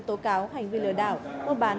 tố cáo hành vi lừa đảo vô bán